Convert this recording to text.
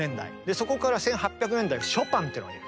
そこから１８００年代ショパンというのがいる。